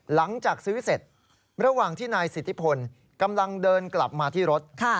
หลังจากซื้อเสร็จระหว่างที่นายสิทธิพลกำลังเดินกลับมาที่รถ